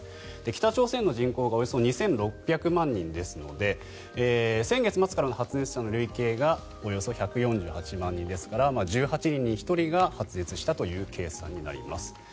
北朝鮮の人口がおよそ２６００万人ですので先月末からの発熱者の累計がおよそ１４８万人ですから１８人に１人が発熱したという計算になります。